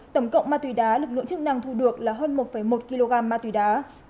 tổng cộng ma túy đá lực lượng chức năng thu được là hơn một một kg ma túy đá